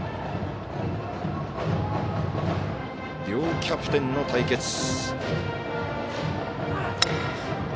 両キャプテンの対決。